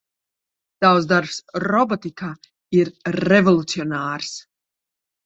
Tavs darbs robotikā ir revolucionārs.